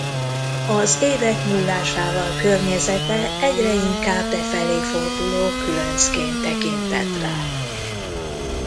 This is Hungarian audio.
Az évek múlásával környezete egyre inkább befelé forduló különcként tekintett rá.